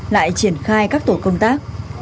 lại triển khai các tổ công tác